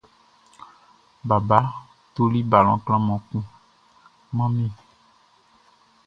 Baba toli balɔn klanhan kun man mi.